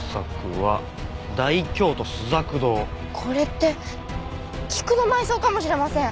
これって『菊の埋葬』かもしれません。